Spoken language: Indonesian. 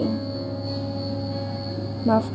terima kasih owl